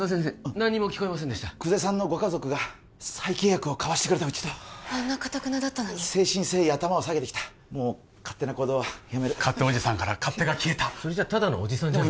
何も聞こえませんでした久世さんのご家族が再契約を交わしてくれたうちとあんなかたくなだったのに誠心誠意頭を下げてきたもう勝手な行動はやめる勝手おじさんから勝手が消えたそれじゃただのおじさんじゃない